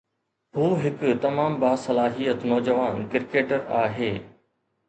هو هڪ تمام باصلاحيت نوجوان ڪرڪيٽر آهي